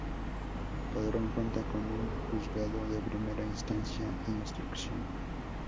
Padrón cuenta con un Juzgado de Primera Instancia e Instrucción.